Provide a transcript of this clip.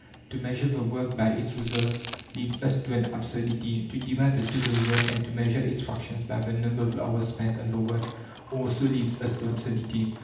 To measure the work by its results leads us to an absurdity; to divide the total work, and to measure its fractions by the number of hours spent on the work also leads us to absurdity.